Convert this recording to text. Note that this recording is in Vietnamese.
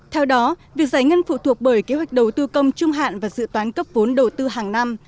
theo đó việc giải ngân phụ thuộc bởi kế hoạch đầu tư công trung hạn và dự toán cấp vốn đầu tư hàng năm